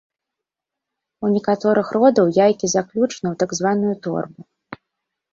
У некаторых родаў яйкі заключаны ў так званую торбу.